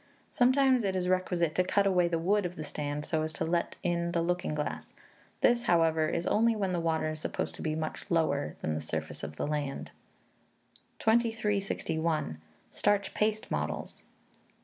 Sometimes it is requisite to cut away the wood of the stand, so as to let in the looking glass; this, however, is only when the water is supposed to be much lower than the surface of the land. 2361. Starch Paste Models.